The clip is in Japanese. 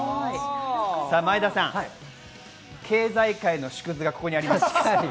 前田さん、経済界の縮図がここにあります。